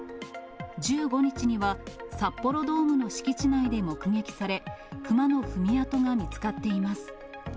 １５日には札幌ドームの敷地内で目撃され、クマの踏み跡が見つかっています。